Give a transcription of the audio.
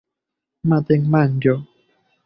matenmanĝo